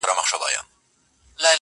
له هيبته يې لړزېږي اندامونه-